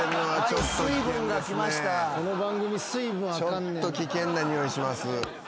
ちょっと危険なにおいします。